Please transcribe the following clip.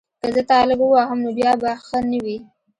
که زه تا لږ ووهم نو بیا به ښه نه وي